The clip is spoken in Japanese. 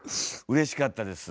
うれしかったです。